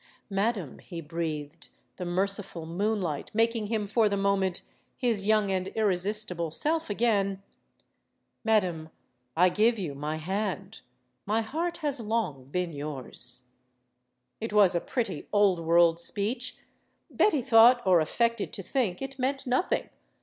"Madam," he breathed, the merciful moonlight making him for the moment his young and irresistible 108 STORIES OF THE SUPER WOMEN self again, "madam, I give you my hand. My Heart has long been yours." It was a pretty, old world speech. Betty thought or affected to think it meant nothing.